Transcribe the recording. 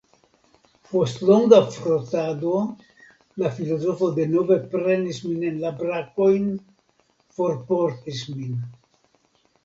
Post longa frotado la filozofo denove prenis min en la brakojn, forportis min.